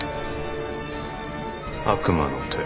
悪魔の手。